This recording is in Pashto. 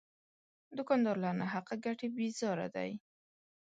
دوکاندار له ناحقه ګټې بیزاره دی.